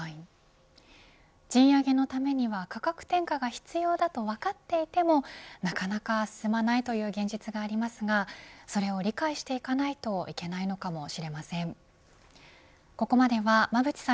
賃上げのためには価格転嫁が必要だと分かっていてもなかなか進まないという現実がありますがそれを理解していかないといけないのかもしれません。